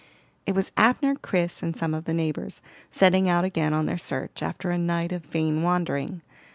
It was Abner, Chris, and some of the neighbors, setting out again on their search, after a night of vain wandering.